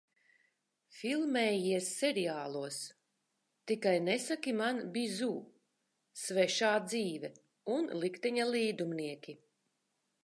"Filmējies seriālos "Tikai nesaki man Bizu", "Svešā dzīve" un "Likteņa līdumnieki"."